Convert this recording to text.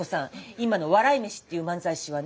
今の笑い飯っていう漫才師はね